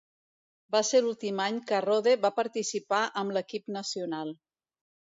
Va ser l'últim any que Rode va participar amb l'equip nacional.